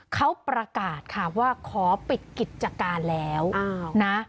เขาประกาศค่ะว่าขอปิดกิจการแล้วนะ